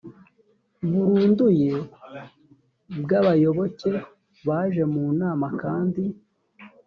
burunduye bw abayoboke baje mu nama kandi